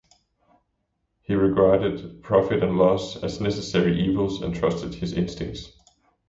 He regarded profit-and-loss as necessary evils and trusted his instincts.